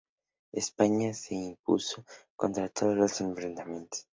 España se impuso en todos sus enfrentamientos.